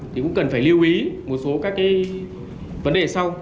thì cũng cần phải lưu ý một số các cái vấn đề sau